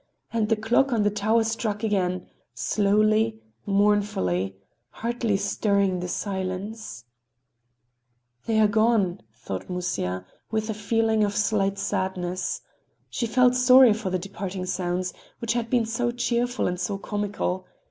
And the clock on the tower struck again, slowly, mournfully, hardly stirring the silence. "They are gone!" thought Musya, with a feeling of slight sadness. She felt sorry for the departing sounds, which had been so cheerful and so comical.